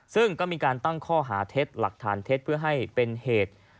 ซึ่งก็มีการตั้งข้อหาเท็จหลักฐานเท็จเพื่อให้เป็นเหตุ